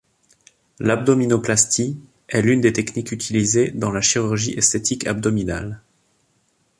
L'abdominoplastie est l'une des techniques utilisées dans la chirurgie esthétique abdominale.